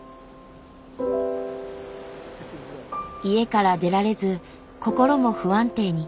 家から出られず心も不安定に。